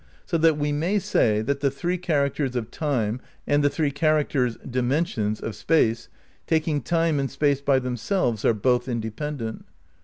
So that we may say that the three characters of Time and the three characters (dimensions) of Space, taking Time and Space by themselves, are both independent.